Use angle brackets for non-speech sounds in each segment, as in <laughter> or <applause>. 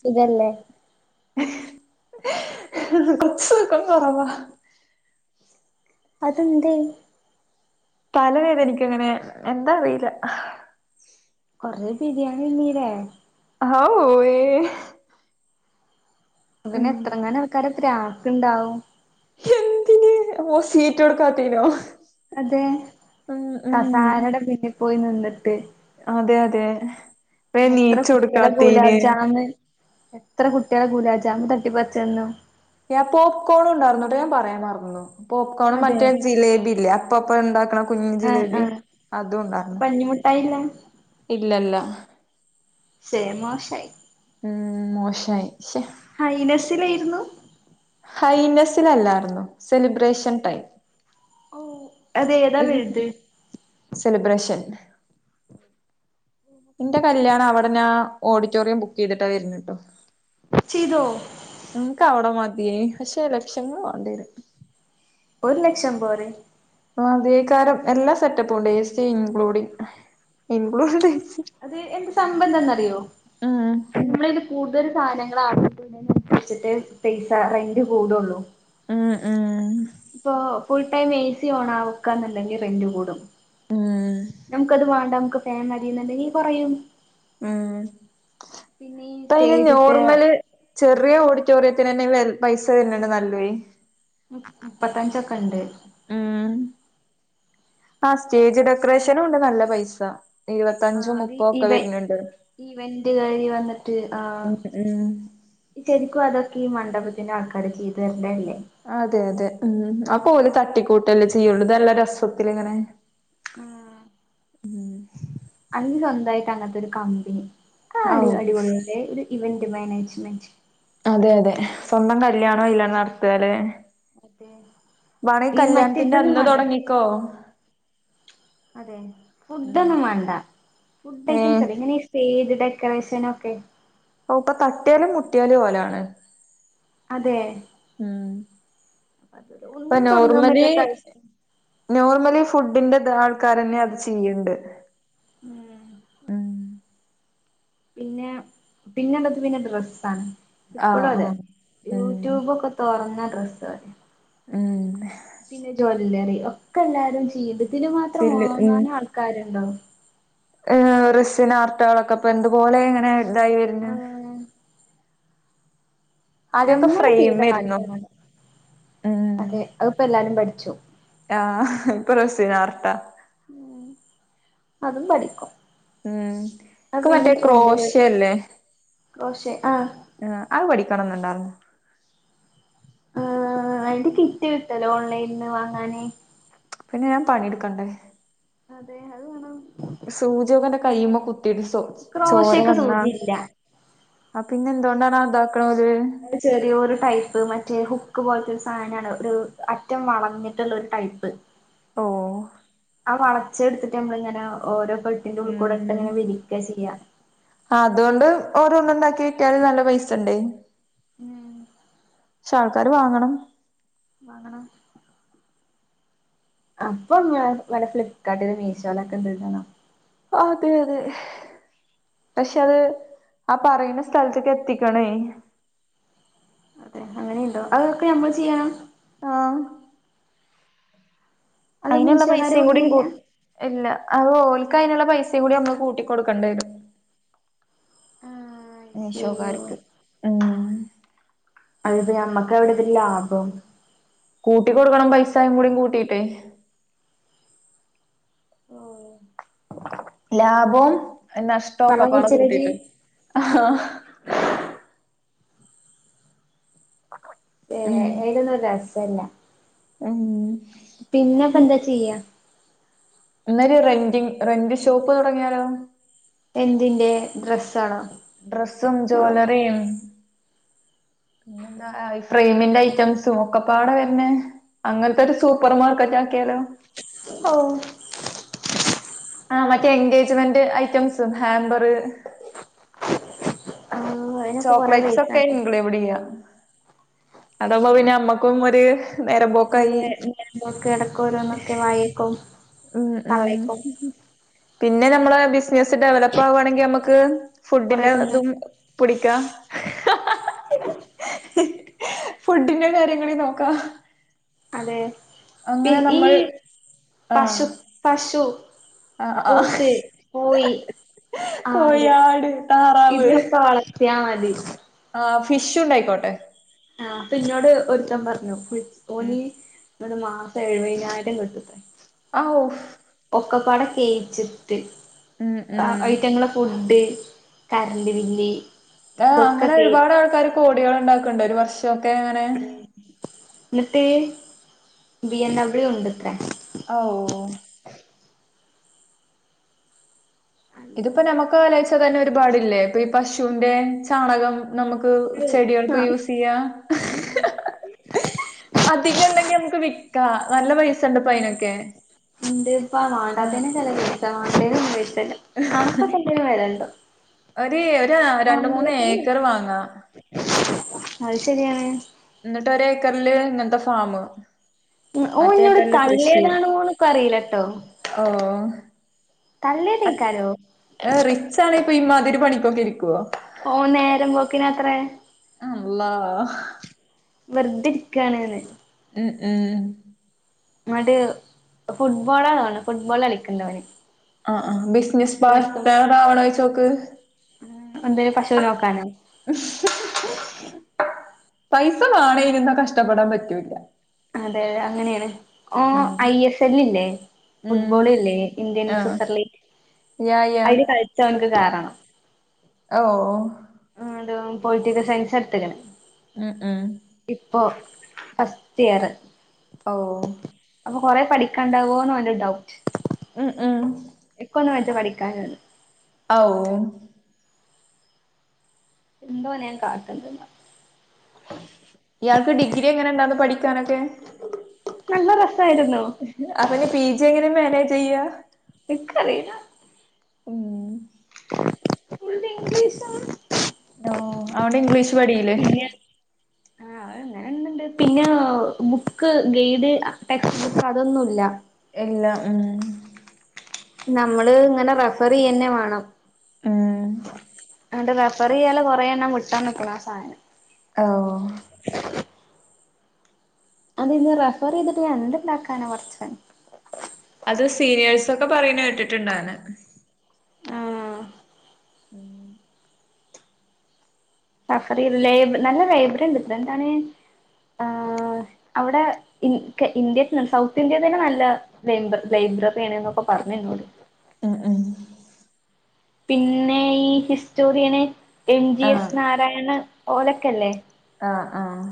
സുഖല്ലേ കൊച്ചു കോണ പറവാ അതന്തെ? തല വേദനിക ഇങ്ങനെ എന്താ അറിയില്ല കൊറേ ബിരിയാണി തിന്നിലെ ഹൗ അതിന് ഉം എത്രങ്ങാനെ ആക്കാര പ്രക്ക് ഉണ്ടാവും എന്തിന് ഓഹ് സീറ്റ് കൊടുക്കാത്തനോ അതെ കസാരടെ പിന്നിൽ പോയി നിന്നിട്ട് അതെ അതെ വേം പിന്നെ എത്ര നീച്ച് കുട്ടികള കൊടുക്കാത്തീന് ഗുലാബ് ജാം എത്ര കുട്ടികളെ ഗൂലാ ജാം തട്ടി പരിചളഞ്ഞു ഞാൻ പോപ്കോൺ ഉണ്ടായിരുന്ന കേട്ടോ ഞാൻ പറയാൻ മറന്നു പോപ്കോണ അതെ മറ്റേ ജിലേബില്ലേ അപ്പ അപ്പ ഇണ്ടാക്കണ കുഞ്ഞഞ് ആഹ് ജിലേബി ആഹ് അതും ണ്ടായിണം <unintelligible> ഇല്ലല്ല സേ മോഷൈ ഉമ് മോശായി ഹൈനസിലായിരുന്നു ഹൈനെസ്സിലല്ലായിരുന്നു സെലിബ്രേഷൻ ടൈം ഓ അത് ഏതാ വലുത് സെലിബ്രേഷൻ ഇന്റെ കല്യാണം അവിടെ ഞാ ഓഡിറ്റോറിയം ബുക്ക് ചെയ്തിട്ടാ വരുന്ന ട്ടോ ചെയിതോ ഇൻക്ക് അവിടെ മതിയേ പക്ഷെ ലക്ഷങ്ങ വാണ്ടിരും ഒരു ലക്ഷം പോരെ അതേ കാരം എല്ലാ സെറ്റപ്പും ണ്ട് എ സി ഇൻക്ലൂഡിങ് ഇൻക്ലൂഡ് അത് എന്ത് സംമ്പന്തം എന്ന് അറിയോ ഉം നമ്മളിത് കൂടുതൽ സാധനങ്ങൾ <unintelligible> പൈസ റെന്റ് കൂടുള്ളൂ ആഹ് ആഹ് ഇപ്പൊ full time A C on ആവക്കാന്നല്ലെങ്കിൽ റെന്റ് കൂടും ഉം നമുക്കത് വേണ്ട നമുക്ക് ഫാൻ മതിയുന്നുണ്ടെ നീ കുറയും ഉമ് പിന്നെ ഈ ഇപ്പ അയ്ന് സ്റ്റേജിത്തെ നോർമല് ചെറിയ ഓഡിറ്റോറിയത്തിന് തന്നെ പൈസ വേ വര്ന്നണ്ട് നല്ല ഉമ് മുപത്തഞ്ച കണ്ട ഉമ് ആഹ് സ്റ്റേജ് ഡെക്കറേഷനും ഉണ്ട് നല്ല പൈസ എഴു പത്തഞ്ചോ മുപ്പ ഒക്കെ വരുന്നുണ്ട് ഇവന്റ് കാരി വന്നിട്ട് ആഹ് <unintelligible> ശരിക്കും അതൊക്കെ ഈ മണ്ഡപത്തിന്റെ ആൾക്കാര് ചെയ്തു തരണ്ടല്ലേ അതെ അതെ ഉമ് അപോലെ തട്ടിക്കൂട്ടല്ലേ ചെയ്യുള്ളതെല്ല രസത്തി ഇങ്ങനെ ഉമ് ഉമ് അങ് സ്വന്തമായിട്ട് അങ്ങത്തെ ഒരു കമ്പനി ആ ഔ അടി അടിപൊളതെ ഒരു ഇവന്റ് മാനേജ്മെന്റ് അതെ അതെ സ്വന്തം കല്യാണോ ഇല്ലാ നടത്തലെ അതെ വാണ ഈ കല്യാണത്തിന്റെ മറ്റിതൊന്നും അന്ന് വേണ്ട തുടങ്ങിക്കോ അതെ ഫുഡ ഒന്നും വേണ്ട ഫുഡ് ഐറ്റംസ് ഏഹ് അല്ലെ ഇങ്ങനെ സ്റ്റേജ് ഡെക്കറേഷന ഒക്കെ- ഓ ഇപ്പൊ തട്ടിയാലും മുട്ടിയാലും ഓലാണ്- അതെ ഉം അതൊരു ഇപ്പ ഒന്നും തുടങ്ങാൻ നോർമലി പറ്റാത്ത അവസ്ഥ നോർമലി ഫുഡിന്റെ ആൾക്കാരന്നെ അത് ചെയ്യണ്ട് ഉം. പിന്നെ പിന്നെണ്ടത് പിന്നെ ഡ്രസ്സ ആണ് ആഹ് ഇപ്പോഴും അതെ ആഹ് ഉം യൂട്യൂബ ഒക്കെ തുറന്ന ഡ്രസ്സ്- ഉം- പിന്നെ ജ്വല്ലറി ഒക്കെ എല്ലാരും ചെയ്യണ്ട് തിരു മാത്രം ചില്ല് വാങ്ങാനും ആൾക്കാരുണ്ടോ? റിസിനാർട്ടകളൊക്കെ ഇപ്പൊ എതുപോലെ എങ്ങനെ ഇതായി വരുന്ന് ആഹ് ആദ്യൊക്കെ നമ്മള് ഫ്രെയിം ചെയ്ത വരുന്നു ആർക്കും വേണ്ട ഉ അതെ അതിപ്പോ എല്ലാരും പഠിച്ചു ആഹ് ഇപ്പൊ റസീനാർട്ട ഉം അതും പഠിക്ക ഉം ഇക്ക മറ്റേ ക്രോശ്യയല്ലേ? ക്രോഷേ ആഹ് ആ അത് പഠിക്കണന്നുണ്ടായിരുന്നോ? ആ അത് കിട്ടിട്ടോ ഓൺലൈനിൽ നിന്ന് വാങ്ങാനേ. പിന്നെ ഞാൻ പണിടുക്കണ്ടേ?. അതെ അത് വേണം. സൂചോക്കന്റെ കയുമേ കുത്തിയിട്ട് ചോ ചോര ക്രോശക്ക് വന്നാ സൂചിയില്ല അ പിന്നെ എന്തുകൊണ്ടാണ് ഇതാക്കണത് ചെറിയ ഒരു ടൈപ്പ്, മറ്റേ ഹുക്ക് പോലത്തെ ഒരു സാധനമാണ്. ഒരു അറ്റം വളഞ്ഞിട്ടുള്ള ഒരു ടൈപ്പ്. ഓഹ് ആ വളച്ചെടുത്തിട്ട് നമ്മള ഇങ്ങനെ ഓരോ പെ അതിന്റെ ഉൾക്കൂടെട്ട്ങ്ങനെ വലിക്ക ചെയ്യാം. ആ അതുകൊണ്ട് ഓരോണ് ഉണ്ടാക്കി വെക്കാല് നല്ല പൈസ ഉണ്ട്. ഉം. പക്ഷെ ആൾക്കാര് വാങ്ങണം. വങ്ങണം. അപ്പൊ നമ്മള് വല്ല ഫ്ലിപ്പ്കാർട്ടില്, മീഷോയിലൊക്കെ ഉണ്ടെന്നാണോ. അതെ അതെ പക്ഷെ അത് ആ പറയുന്ന സ്ഥലത്തേക്ക് എത്തിക്കണേ?. അതെ അങ്ങനെയ ഉണ്ടോ അതൊക്കെ നമ്മൾ ചെയ്യണം. ആഹ് - അത് അതിനുള്ള മീശോക്കാര് പൈസയും കൊടുന്നില്ല കൂടി ഇല്ല അത് ഓൾക്ക് അതിനുള്ള പൈസയും കൂടി നമ്മൾ കൂട്ടി കൊടുകണ്ടിവരും. ആഹ് അയ്യോ മെഷോകാർക്ക്. ഉം അതിപ്പോ ഞമ്മക്ക് എവിടെ ഇതിൽ ലാഭം? കൂട്ടി കൊടുക്കണം പൈസ ങ്ങ്ട് കൂട്ടിയിട്ട് ഓ ലാഭവും, നഷ്ടവും ഒക്കെ വെള്ളം പണം കുടിച്ചലജ് കൂട്ടിട്ട് ആഹ് ഏ ഉം ഏതന്നൂ രസല്ല ഉം പിന്നെപ്പൊ എന്താ ചെയ്യാ? എന്നരു റെൻ്റിംങ് റെന്റ ഷോപ്പ് തുടങ്ങിയാലോ? എന്തിന്റെ ഡ്രസ്സ് ആണോ? ഡ്രസ്സും, ജ്വാലറിയും. പിന്നെ എന്താ ഫ്രെമിന്റെ ഐറ്റംസും ഒക്കപ്പാടെ വരണെ അങ്ങനത്തൊരു സൂപ്പർ മാർക്കറ്റ് ആക്കിയാലോ? ഓ ആ മറ്റേ എൻഗേജ്മെന്റ് ഐറ്റംസും ഹാമ്പറ് തന്നെ <unintelligible> ചോക്ലേറ്റ്സ് ഒക്കെ ഇന്ക്ലൂട് ചെയ്യാം. അതുവുമ്പോ പിന്നെ നമ്മക്കും ഒരു നേരം പോക്കായി അതെ നേരമ്പോക്ക് ഇടക്ക് ഓരോന്ന് ഒയൊക്കെ വായിക്കും ഉം ഉം പിന്നെ നമ്മള് ബിസിനസ്സ് ഡെവലപ്പ് ആകുവാണെങ്കി നമ്മക്ക് കൊറേ ഫുഡിന്റെ തിന്ന് അതും പിടിക്കാ ഫുഡിന്റെ കാര്യങ്ങള് കൂടി നോക്കാം. അതെ പി അങ്ങനെ ഈ നമ്മൾ ആഹ് പശു പശു ആഹ് ആഹ് പോത്ത് പോയി ആട് കോഴിയാട് താറാവ് ഇതൊക്കെ വളർത്തിയാ മതി. ആ ഫിഷ് ഉണ്ടായിക്കോട്ടെ. ആ എന്നോട് ഒരുത്തൻ പറഞ്ഞു ഒലി ആഹ് ഒരു മാസം എഴുപതിനായിരം കിട്ടുവത്രെ ആഹ് ഓഫ് ഒക്കപ്പാടെ കെ <unintelligible> യിച്ചിട്ട് ഉം ഉം ഐറ്റങ്ങളെ ഫുഡ് കറണ്ട് ബില്ല് ആ ഇതൊക്കെ അങ്ങനെ കേ ഒരുപാട് ആൾക്കാര് കോടികൾ ഉണ്ടാക്കണ്ട് ഒരു വർഷമൊക്കെ അങ്ങനെ ഉം എന്നിട്ട് ബി എൻ ഡബ്യു ഉണ്ട് അത്രേ ഓ <unintelligible> ഇതിപ്പോ നമ്മക്ക് ആ ആലോചിച്ചാ തന്നെ ഒരുപാട് ഇല്ലേ ഇപ്പൊ ഈ പശുന്റെ ചാണകം നമുക്ക് ചെടികൾക്ക് ആഹ് യൂസ്യ്യാ അധികം ഇണ്ടെങ്കി നമുക്ക് വിക്കാ നല്ല പൈസ ഉണ്ട് ഇപ്പൊ അയിനൊക്കെ ഇണ്ട് ഇപ്പ ഏഹ് വണ്ടാത്തേനും ചെലവില്ല വണ്ടുന്നേനും വരത്തില്ല നമുക്ക് ഇപ്പൊ എന്തിനാ വരണ്ടോ ഒര് ഒരു രണ്ടു മൂന്ന് ഏക്കറ് വാങ്ങാം അത് ശരിയാണ് എന്നിട്ട് ഒരു ഏക്കറില് ഇങ്ങനത്തെ ഫാമ് ഓൻ മറ്റേ എന്നോട് ഏക്കറില് തള്ളിയതാണോ എന്ന് അറിയിലട്ടോ ഓഹ് തള്ളിയിടിക്കലോ റിച്ച് ആണ് ഇപ്പൊ ഈമാതിരി പണിക്കൊക്കെയിരിക്കോ ഓഹ് നേരം പോക്കിന അത്രേ അള്ളാഹ വെറുതെ ഇരിക്കുവാനാണ്ന് ഉം ഉം എന്ന <unintelligible> ട്ട് ഫുട്ബോളാ തോണ് ഫുട്ബോൾ കളിക്കണ്ടവന് ആഹ് ആഹ് ബിസിനസ് പാർട്ണർ ആവണോന്ന് ചോദിച്ചു നോക്ക് എന്തെ പശുനെ നോക്കാനോ പൈസ വാണോം എന്നാ കഷ്ടപ്പെടാൻ പറ്റൂല്ല അതെ അങ്ങനെയാണ് ആഹ ഉം ഐ എസ് എല്ല് ഇല്ലേ ഉം ഫുട്ബോൾല്ലേ ഇന്ത്യൻ ആഹ് സിസർലി യാ യാ അയിൽ കളിച്ച് അവനക്ക് കേറണം ഓഹ് ഓഹ് ആഹ് ഹെലോ പൊളിറ്റിക്കൽ സയൻസ് എടുത്തക്കണെ ഉം ഉം ഇപ്പൊ ഫസ്റ്റ് ഇയറ് ഓ <unintelligible> അപ്പൊ കൊറെ പഠിക്കണ്ടാവോ എന്ന് ഓന്ഒരു ഡൗട്ട് ഉം ഉം ഇക്കൊന്നും വജ്ജ പഠിക്കാനോന്ന് ഔ <unintelligible> എന്താ ഓനെ ഞാൻ കാട്ടണതെന്നാ ഇയാൾക്ക് ഡിഗ്രി എങ്ങനെ ഇണ്ടന്ന് പഠിക്കാനൊക്കെ നല്ല റസായിരുന്നു അപ്പനി പി ജി എങ്ങനെ മാനേജ് ചെയ്യാ ഇക്കറില ഉം ഫുൾ ഇംഗ്ലീഷാണ് ഓ അവിടെ ഇംഗ്ലീഷ് പടില്ലേ ആഹ അങ്ങനന്ന്ണ്ട് പിന്നാ ബുക്ക് ഗൈഡ് ടെക്സ്റ്റ് ബുക്ക് അതൊന്നുല്ല എല്ലാം ഉം നമ്മള് ഇങ്ങനെ റെഫർ ചെയ്യന്നെ വേണം ഉം അണ്‌ട് റെഫർ ചെയ്യാല് കൊറെ എണ്ണം വിട്ടന്ന്ക്ക്ണ് ആ സാനം ഓ അത് ഇന്ന് റഫർ ചെയ്തിട്ട് ഞാൻ ന്ത് ണ്ടാക്കാനാ പടച്ചോനെ അത് സീനിയേഴ്സൊക്കെ പറയുന്നെ കേട്ടിട്ടുണ്ടാന് ആഹ് ഉം റഫറി ല്ലായിര്ന്ന് നല്ല വെയ്റ്റ്ണ്ട് ട്ടൊ എന്താണ് ആ അവ്ടെ ഇന്ക് ഇന്ത്യ <unintelligible> സൗത്ത് ഇന്ത്യയിൽ തന്നെ നല്ല. <unintelligible> ലൈബ്രറി ആണ്ന്ന് ഒക്കെ പറഞ്ന്നോട്. ഉം ഉം. പിന്നെ ഈ ഹിസ്റ്റോറിയന് എം ജി ആഹ് എസ് നാരായണ ഓലൊക്കെല്ലേ. ആഹ് ആഹ്‌.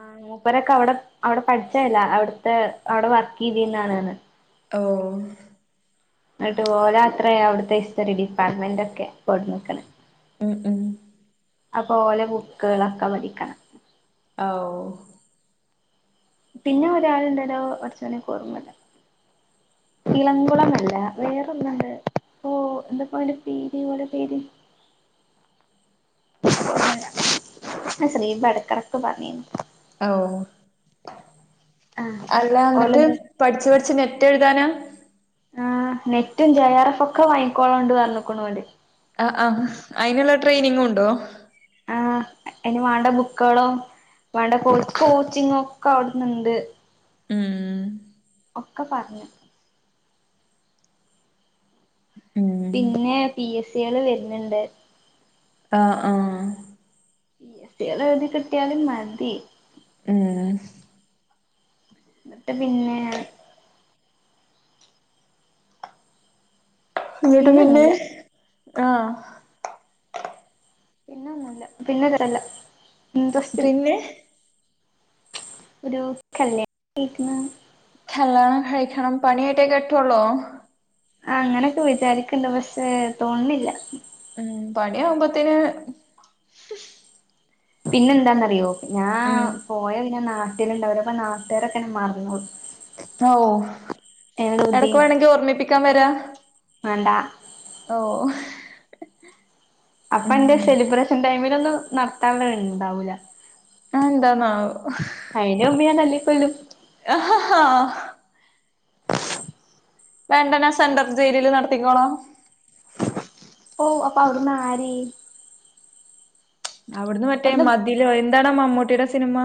ആഹ് മൂപ്പരൊക്കെ അവിടെ അവിടെ പഠിച്ചല്ല അവിടുത്തെ അവിടെ വർക്ക് ചെയ്തിന്നാണ്അർഞ്. ഓ. എന്നിട്ട് ഓല അത്രയ അവിടുത്തെ ഇസ്റ്ററി ഡിപ്പാർട്ട്മെന്റ് ഒക്കെ കൊടന്ന്ക്ണ്. ഉം ഉം. അപ്പോലെ ബുകോളൊക്കെ പഠിക്കണം. ആ ഓ. പിന്നെ ഒരാൾണ്ടല്ലോ പട്ച്ചോനെ എനിക്ക് ഓർമ്മല്ല. ഇളംകുളമല്ല വേറൊന്നണ്ട് ഇപ്പ എന്താപ്പ അതിന്റെ പേര് ഓലെ പേര്. ശ്രീബഎടക് എടക്ക് പറഞ്ഞിന്നു. ഓ ആഹ് അല്ല ഓല് ന്ട്ട് പഠിച്ചു പഠിച്ച് നെറ്റ് എഴുതാന. ആഹ് നെറ്റും ജെആർ എഫ് ഒക്കെ വാങ്ങി കൊണ്ടു പറഞ്ഞു ക്ണോല്. ആ ആ അതിനുള്ള ട്രെയിനിങ് ഉണ്ടോ. ആ ഇനി വാണ്ട ബുക്കോളും. വേണ്ട കൊച് കോച്ചിങ്ങ ഒക്കെ അവ്ട്ന്ന്ണ്ട്. ഉം ഒക്കെ പറഞ്ഞ്. ഉം പിന്നെ പി എസി ആള് വരുന്നുണ്ട്. ആഹ് ആഹ്‌. <unintelligible> എഴതി കട്ടിയാലും മതി. ഏഹ്. എന്ട്ട് പിന്നെ. ഇന്ന്ട്ട് പിന്നെ പിന്നൊന്നുല്ല ആഹ. പിന്നൊന്നുല്ല പിന്നെ തല്ല എന്റെസ്റ്റ്ന്. പിന്നെ ഒരു കല്യാണംകൈയിക്ണ. കല്യാണം കയിക്കണം പണിയായിട്ടേ കെട്ടുള്ളോ. ആ അങ്ങനെഒക്കെ വിചാരിക്ണ്ട് പക്ഷേ തോന്നിണില്ല. ഉം പണിയാവുമ്പോത്തേന് പിന്നെന്താന്നറിയോ ഞാ ഉം പോയ പിന്നെ നാട്ടിലുണ്ടാവൂല അപ്പൊ നാട്ടുകാരൊക്കെെ മാറന്നോവും. ഓ എടക്ക് വേണെങ്കി ഓർമ്മിപ്പിക്കാൻ വരാ. വേണ്ട ഓ. അപ്പൊ എന്റെ സെലിബ്രേഷൻ ടൈമിലൊന്നും നടത്താൻ ത്ണ്ടാവൂല. ആഎന്താ നാവോ. അയിന്റെ മുമ്പ് ഞാൻ തല്ലി കൊല്ലു. ആ ഹാഹാ. വേണ്ട ഞാൻ സെൻന്റർ ജയിലിൽ നടത്തിക്കോ. ളാ. ഓ അപ്പൊ അവിടുന്ന് ആര്. അവിടന്ന് മറ്റേ അവിടുന്ന് മതിലോ എന്താണാ മമ്മൂട്ടിയുടെ സിനിമ.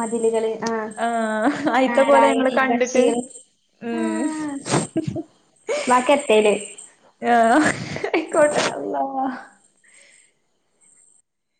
മതിലുകള് ആഹ് ആഅയിത്ത പോലെ നാരായണി ഞങ്ങൾകണ്ടിട്ട്. ബഷീർ ഇം ആഹ് <unintelligible> ഹ ആയിക്കോട്ടെ അള്ളാ.